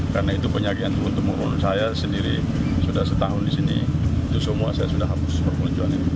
karena itu penyakit untuk murun saya sendiri sudah setahun di sini itu semua saya sudah hapus perpeloncoan ini